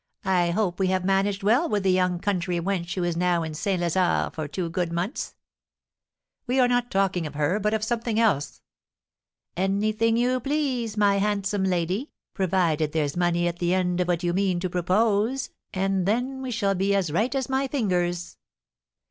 "I hope we have managed well with the young country wench who is now in St. Lazare for two good months." "We are not talking of her, but of something else." "Anything you please, my handsome lady, provided there's money at the end of what you mean to propose, and then we shall be as right as my fingers."